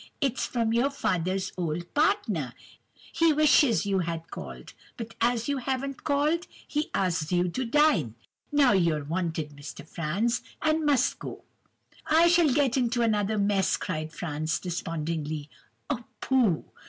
It's from your father's old partner—he wishes you had called, but as you haven't called, he asks you to dine. Now you're wanted, Mr. Franz, and must go.' "'I shall get into another mess,' cried Franz, despondingly. "'Oh, pooh!